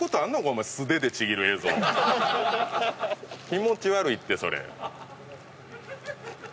気持ち悪いってそれ。